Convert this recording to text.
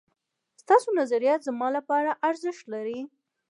ستاسو نظريات زما لپاره ارزښت لري